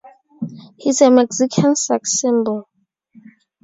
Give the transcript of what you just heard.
He is a Mexican sex symbol.